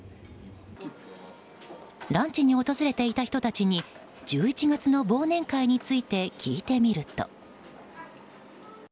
ランチに訪れていた人たちに１１月の忘年会について聞いてみると。